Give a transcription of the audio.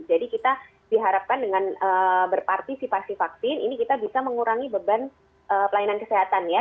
jadi kita diharapkan dengan berpartisipasi vaksin ini kita bisa mengurangi beban pelayanan kesehatan ya